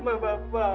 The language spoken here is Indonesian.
bu ya allah